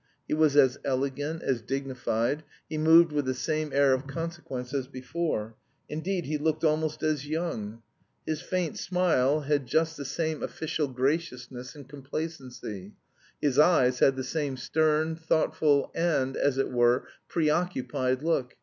He was as elegant, as dignified, he moved with the same air of consequence as before, indeed he looked almost as young. His faint smile had just the same official graciousness and complacency. His eyes had the same stern, thoughtful and, as it were, preoccupied look.